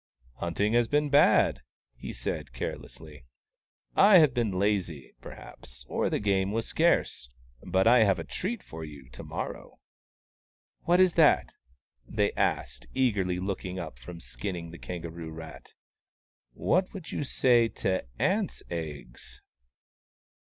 " Hunting has been bad," he said, carelessly. " I have been lazy, perhaps — or the game was scarce. But I have a treat for you to morrow." WAUNG, THE CROW 55 " What is that ?" they asked, eagerly, looking up from skinning the kangaroo rat. " What would you say to ants' eggs